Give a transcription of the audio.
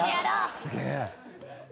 すげえ！